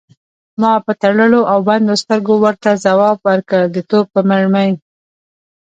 ما په تړلو او بندو سترګو ورته ځواب ورکړ: د توپ په مرمۍ.